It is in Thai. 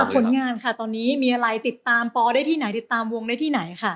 ผลงานค่ะตอนนี้มีอะไรติดตามปอได้ที่ไหนติดตามวงได้ที่ไหนค่ะ